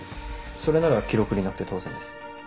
それなら記録になくて当然です。